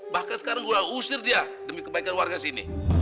bahkan sekarang sudah usir dia demi kebaikan warga sini